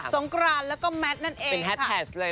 สงครานแล้วก็แมทซ์นั่นเองค่ะเป็นแฮดแพชเลยนะ